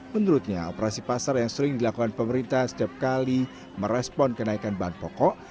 menurutnya operasi pasar yang sering dilakukan pemerintah setiap kali merespon kenaikan bahan pokok